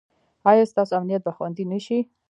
ایا ستاسو امنیت به خوندي نه شي؟